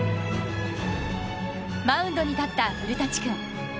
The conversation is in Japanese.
マウンドに立った古舘君。